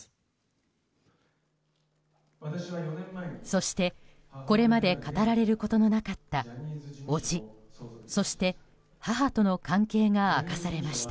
そして、これまで語られることのなかった叔父そして、母との関係が明かされました。